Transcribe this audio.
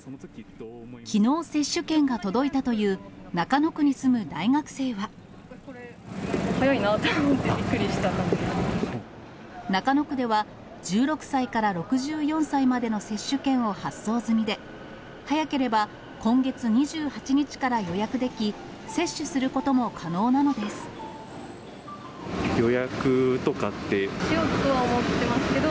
きのう接種券が届いたという、早いなと思って、中野区では、１６歳から６４歳までの接種券を発送済みで、早ければ今月２８日から予約でき、予約とかって？しようとは思ってますけど。